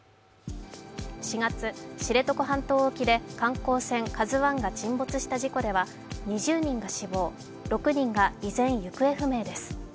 ４月、知床半島沖で観光船「ＫＡＺＵⅠ」が沈没した事故では２０人が死亡、６人が依然、行方不明です。